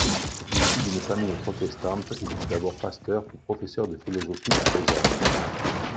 Issu d'une famille protestante, il fut d'abord pasteur puis professeur de philosophie à Lausanne.